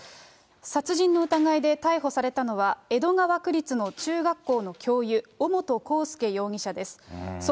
殺人の疑いで逮捕されたのは、江戸川区立の中学校の教諭、尾本幸祐容疑者です。